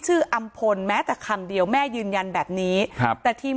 อำพลแม้แต่คำเดียวแม่ยืนยันแบบนี้ครับแต่ทีม